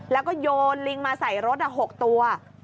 แล้วก็โยนลิงมาใส่รถ๖ตัว